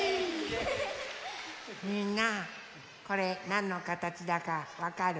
みんなこれなんのかたちだかわかる？